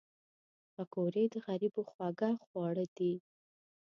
پکورې د غریبو خوږ خواړه دي